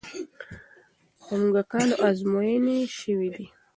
پر موږکانو ازموینې شوې دي.